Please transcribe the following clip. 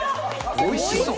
おいしそう。